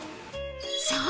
そう！